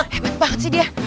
hebat banget sih dia